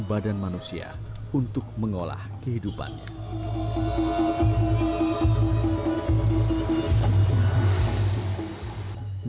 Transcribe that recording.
badan manusia untuk mengolah kehidupannya